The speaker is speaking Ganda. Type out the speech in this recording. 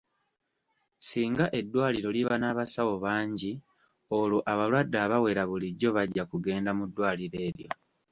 Singa eddwaliro liba n'abasawo bangi olwo abalwadde abawera bulijjo bajja kugenda mu ddwaliro eryo.